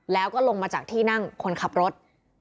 แล้วก็ลงมาจากที่นั่งคนขับรถ